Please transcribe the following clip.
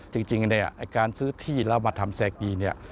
จริงการซื้อที่แล้วมาทำแซกดี